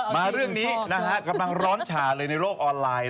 มาเรื่องนี้กำลังร้อนฉาในโรคออนไลน์